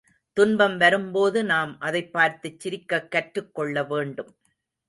துன்பம் வரும்போது நாம் அதைப் பார்த்துச் சிரிக்கக் கற்றுக் கொள்ளவேண்டும்.